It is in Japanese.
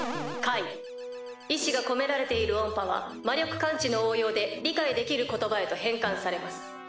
解意思が込められている音波は魔力感知の応用で理解できる言葉へと変換されます。